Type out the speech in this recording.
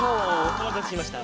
おまたせしました！